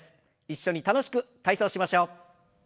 一緒に楽しく体操しましょう。